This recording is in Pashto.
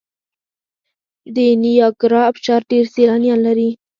د نیاګرا ابشار ډیر سیلانیان لري.